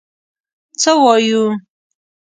څه وایو.